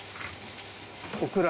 オクラ。